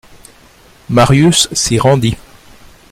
Marius s'y rendit.